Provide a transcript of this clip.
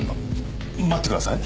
待ってください。